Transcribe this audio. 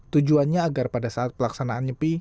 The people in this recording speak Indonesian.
tujuannya agar pada saat pelaksanaan nyepi